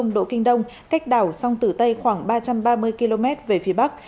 một trăm một mươi năm độ kinh đông cách đảo sông tử tây khoảng ba trăm ba mươi km về phía bắc